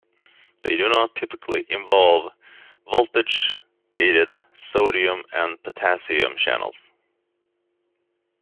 They do not typically involve voltage-gated sodium and potassium channels.